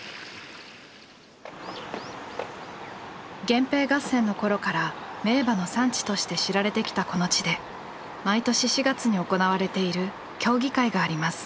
源平合戦の頃から名馬の産地として知られてきたこの地で毎年４月に行われている競技会があります。